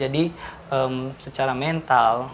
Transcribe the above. jadi secara mental